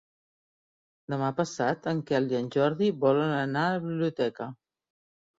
Demà passat en Quel i en Jordi volen anar a la biblioteca.